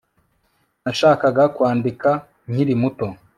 nashakaga kwandika nkiri muto